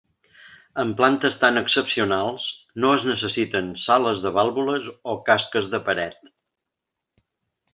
En plantes tant excepcionals no es necessiten sales de vàlvules o casques de paret.